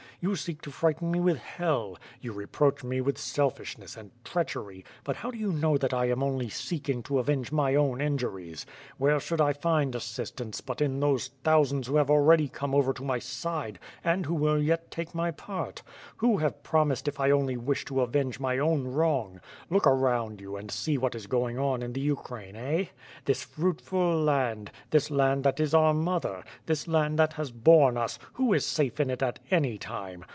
You seek to frighten me with Ilell; you reproach me with selfishnt^s and treachery; but how do you know that I am only seeking to avenge my own injuries? Where should I find assistance, but in those thousands who have already come over to my side, and who will yet take my part; who have ])romised if I only wish to avenge my own wrong? Look nnimd you and ^e what is going on in the Ukraine, eh? This fruitful land; this land that is our mother; this land that has borne us: who is safe in it at any time?